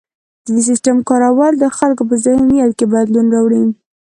د دې سیستم کارول د خلکو په ذهنیت کې بدلون راوړي.